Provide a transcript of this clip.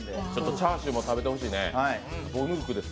チャーシューも食べてほしいね。